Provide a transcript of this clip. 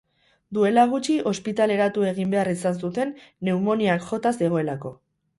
Duela gutxi ospitaleratu egin behar izan zuten pneumoniak jota zegoelako.